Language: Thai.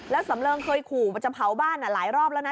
แล้วสำเริงเคยขู่ว่าจะเผาบ้านหลายรอบแล้วนะ